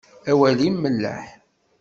Awal-im melleḥ.